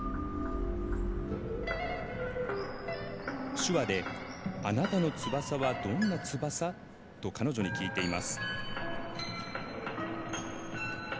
手話で「あなたの翼は、どんな翼？」と彼女に聞いています。